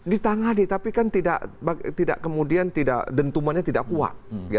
ditangani tapi kan kemudian dentumannya tidak kuat